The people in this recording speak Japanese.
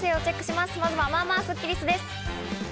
まずは、まあまあスッキりすです。